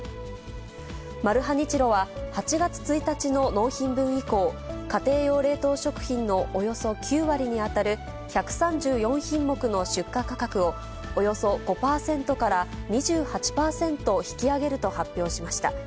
マルハニチロは、８月１日の納品分以降、家庭用冷凍食品のおよそ９割に当たる１３４品目の出荷価格を、およそ５％から２８％引き上げると発表しました。